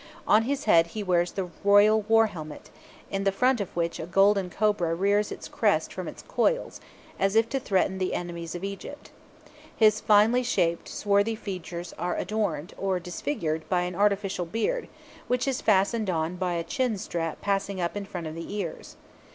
On his head he wears the royal war helmet, in the front of which a golden cobra rears its crest from its coils, as if to threaten the enemies of Egypt. His finely shaped, swarthy features are adorned, or disfigured, by an artificial beard, which is fastened on by a strap passing up in front of the ears.